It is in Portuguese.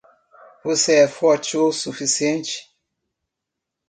Você é forte o suficiente?